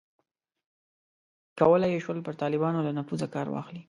کولای یې شول پر طالبانو له نفوذه کار واخلي.